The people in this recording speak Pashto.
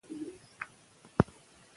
که واکسین ونه کړئ، روغتیا ته خطر دی.